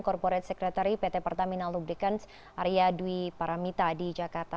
corporate secretary pt pertamina lubrikans arya dwi paramita di jakarta